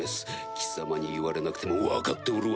貴様に言われなくても分かっておるわ。